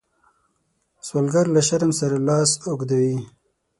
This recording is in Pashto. سوالګر له شرم سره لاس اوږدوي